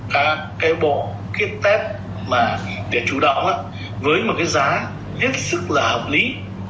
cả cái bộ cái test mà để chủ động với một cái giá hết sức là hợp lý